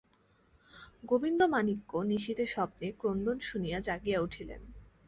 গোবিন্দমাণিক্য নিশীথে স্বপ্নে ক্রন্দন শুনিয়া জাগিয়া উঠিলেন।